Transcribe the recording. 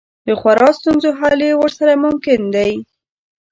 د خورا ستونزو حل یې ورسره ممکن دی.